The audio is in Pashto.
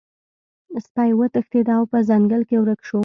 سپی وتښتید او په ځنګل کې ورک شو.